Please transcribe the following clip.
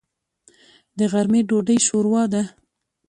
د غرمې ډوډۍ شوروا ده.